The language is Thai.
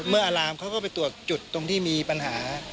อารามเขาก็ไปตรวจจุดตรงที่มีปัญหา